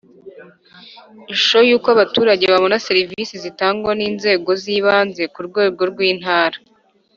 Ishusho y’uko abaturage babona serivisi zitangwa n’inzego z’ibanze ku rwego rw’intara